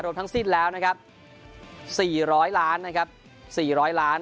รวมทั้งสิบแล้วนะครับสี่ร้อยล้านนะครับสี่ร้อยล้าน